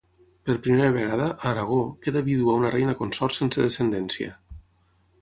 Per primera vegada, a Aragó, queda vídua una reina consort sense descendència.